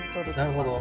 なるほど。